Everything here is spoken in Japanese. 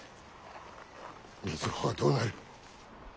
瑞穂はどうなる？